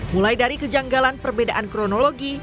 mulai dari kejanggalan perbedaan kronologi